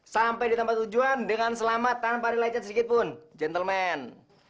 sampai ditambah tujuan dengan selamat tanpa rileksan sedikit pun gentlemen